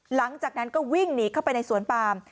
หลังจากนั้นก็วิ่งหนีเข้าไปในสวนปาม